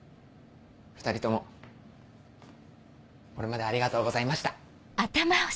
２人ともこれまでありがとうございました。